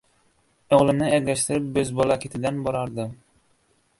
O‘g‘limni ergashtirib, bo‘zbola ketidan bordim.